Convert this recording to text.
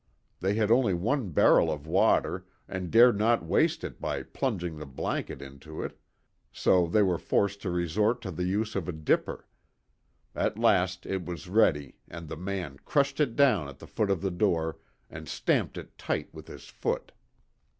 They had only one barrel of water, and dared not waste it by plunging the blanket into it. So they were forced to resort to the use of a dipper. At last it was ready and the man crushed it down at the foot of the door, and stamped it tight with his foot.